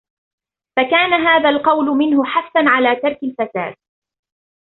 فَكَانَ هَذَا الْقَوْلُ مِنْهُ حَثًّا عَلَى تَرْكِ الْفَسَادِ